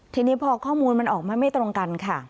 ทีนี้พอข้อมูลมันออกมาไม่ตรงกันค่ะ